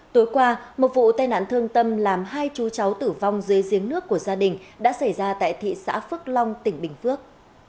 tối qua một vụ tai nạn thương tâm làm hai chú cháu tử vong dưới giếng nước của gia đình đã xảy ra tại thị xã phước long tỉnh bình phước